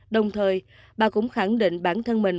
đồng thời bà cũng khẳng định bản thân mình